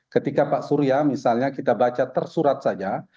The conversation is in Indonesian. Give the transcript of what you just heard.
ketika pak surya misalnya kita baca tersurat saja